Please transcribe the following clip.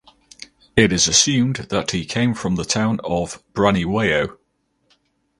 It is assumed that he came from the town of Braniewo.